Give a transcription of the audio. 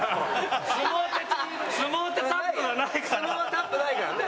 相撲はタップないからね。